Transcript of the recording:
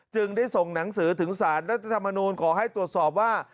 จึงได้ส่งหนังสือถึงสารรัฐธรรมนูลขอให้ตรวจสอบว่า